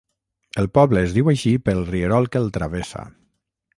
El poble es diu així pel rierol que el travessa.